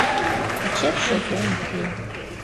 Пачер шотем уке.